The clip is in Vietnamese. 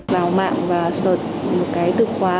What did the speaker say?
vào mạng và search một cái từ khóa